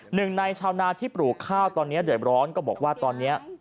หนึ่งในชาวนาที่ปลูกข้าวตอนนี้เดือดร้อนก็บอกว่าตอนนี้